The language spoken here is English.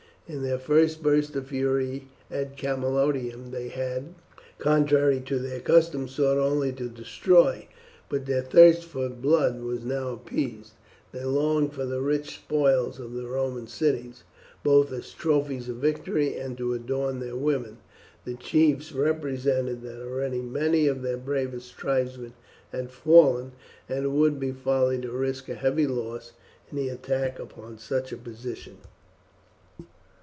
In their first burst of fury at Camalodunum they had, contrary to their custom, sought only to destroy; but their thirst for blood was now appeased, they longed for the rich spoils of the Roman cities, both as trophies of victory and to adorn their women. The chiefs represented that already many of their bravest tribesmen had fallen, and it would be folly to risk a heavy loss in the attack upon such a position.